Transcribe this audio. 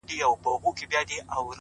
• په هغه ورځ به يو لاس ورنه پرې كېږي,